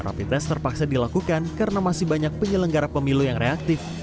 rapid test terpaksa dilakukan karena masih banyak penyelenggara pemilu yang reaktif